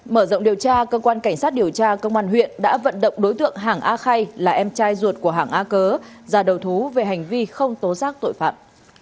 mở rộng điều tra cơ quan cảnh sát điều tra công an huyện đã vận động đối tượng hàng a khay là em trai ruột của hàng a cớ ra đầu thú về hành vi không tố giác tội phạm